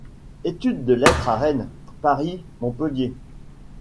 Études de lettres à Rennes, Paris, Montpellier.